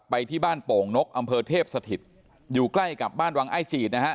ไปที่บ้านโป่งนกอำเภอเทพสถิตอยู่ใกล้กับบ้านวังอ้ายจีดนะฮะ